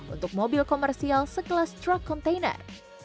untuk mobil komersial sekelas truck container